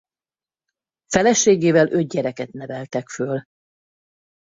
Feleségével öt gyereket neveltek föl.